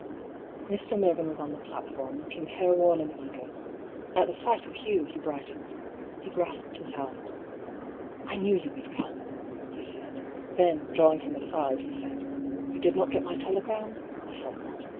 7 92 I>R. PAULL'S THEORY. Mr. Mervyn was on the platform, looking careworn and eager. At the sight of Hugh he brightened. He grasped his hand. " I knew you would come," he said. Then, drawing him aside, he said :" You did not get my telegram? I thought not.